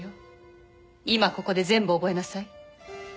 今ここで全部覚えなさい。